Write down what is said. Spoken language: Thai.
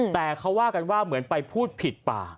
แต่เขาว่ากันว่าเหมือนไปพูดผิดป่า